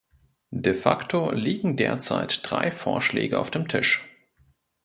De facto liegen derzeit drei Vorschläge auf dem Tisch.